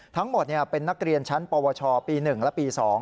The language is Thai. ทั้งหมดเป็นนักเรียนชั้นปวชปี๑และปี๒